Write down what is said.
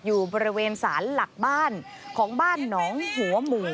อยู่บริเวณสารหลักบ้านของบ้านหนองหัวหมู่